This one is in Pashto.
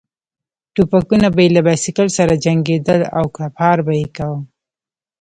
ټوپکونه به یې له بایسکل سره جنګېدل او کړپهار به یې کاوه.